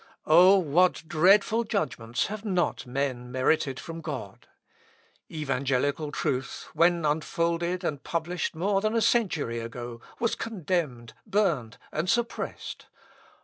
O what dreadful judgments have not men merited from God! Evangelical truth, when unfolded, and published more than a century ago, was condemned, burned, and suppressed....